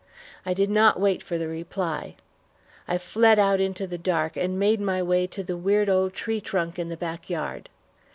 I did not wait for the reply. I fled out into the dark and made my way to the weird old tree trunk in the back yard.